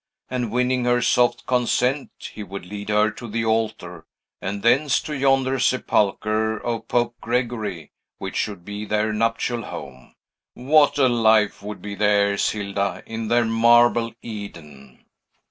and, winning her soft consent, he would lead her to the altar, and thence to yonder sepulchre of Pope Gregory, which should be their nuptial home. What a life would be theirs, Hilda, in their marble Eden!"